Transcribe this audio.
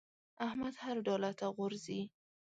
احمد هر ډاله ته غورځي.